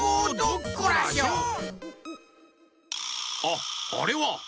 あっあれは！